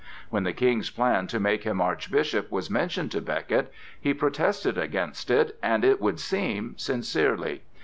When the King's plan to make him Archbishop was mentioned to Becket, he protested against it, and it would seem, sincerely.